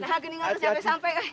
nah aku ingat sampai sampai